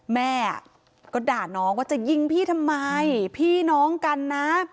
แม่ก็ด่าน้องว่าจะยิงพี่ทำไมพี่น้องกันนะ